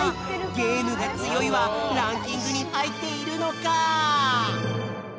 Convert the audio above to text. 「ゲームがつよい」はランキングにはいっているのか？